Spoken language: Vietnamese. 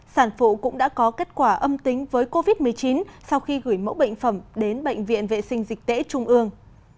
sản phụ cũng đã có kết quả âm tính với covid một mươi chín sau khi gửi mẫu bệnh phẩm đến bệnh viện vệ sinh dịch tễ trung ương